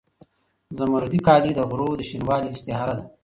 زمردي کالي د غرو د شینوالي استعاره ده.